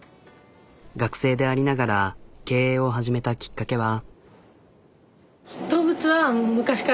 学生でありながら経営を始めたきっかけは。